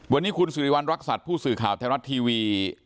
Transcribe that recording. วันนี้คุณสิริวัณรักษัตริย์ผู้สื่อข่าวไทยรัฐทีวี